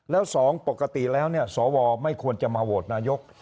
แล้ว๒ปกติแล้วสวไม่ควรจะมาโหวตนายก